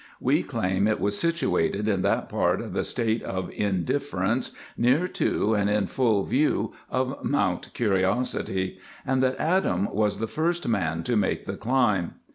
We claim it was situated in that part of the State of Indifference near to and in full view of Mount Curiosity, and that Adam was the first man to make the climb.